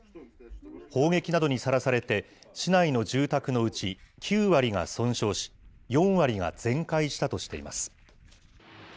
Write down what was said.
砲撃などにさらされて、市内の住宅のうち、９割が損傷し、４割が全壊したとしています。